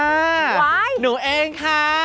โอ๊ยยยยวายยยยหนูเองค่ะ